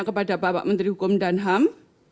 kepada bapak menteri hukum dan ham